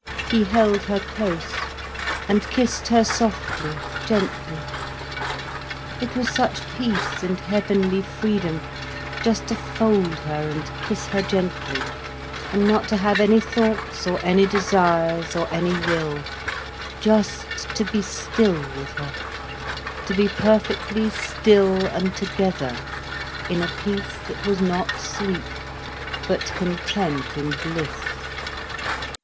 He held her close, and kissed her softly, gently. It was such peace and heavenly freedom, just to fold her and kiss her gently, and not to have any thoughts or any desires or any will, just to be still with her, to be perfectly still and together, in a peace that was not sleep, but content in bliss.